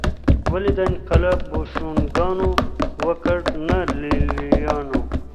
ولې دا انقلاب بوشونګانو وکړ نه لېلیانو